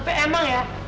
ampe emang ya